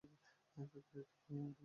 ফ্যাক্টরিটাতে বোমা মারুন।